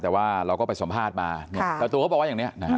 แต่ว่าเราก็ไปสัมภาษณ์มาเนี่ยเจ้าตัวเขาบอกว่าอย่างนี้นะฮะ